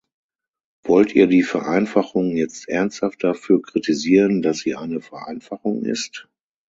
Wollt ihr die Vereinfachung jetzt ernsthaft dafür kritisieren, dass sie eine Vereinfachung ist?